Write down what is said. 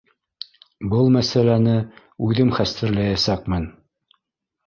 Был мәсьәләне үҙем хәстәрләйәсәкмен.